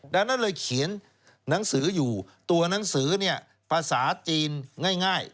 ดังนั้นเลยเขียนหนังสืออยู่ตัวหนังสือเนี่ยภาษาจีนง่าย